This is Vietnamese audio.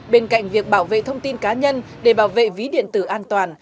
bên cạnh việc bảo vệ thông tin cá nhân để bảo vệ ví điện tử an toàn